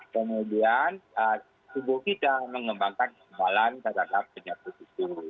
kemudian tubuh kita mengembangkan kekebalan terhadap penyakit itu